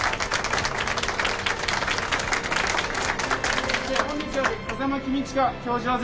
そして本日より『風間公親−教場０−』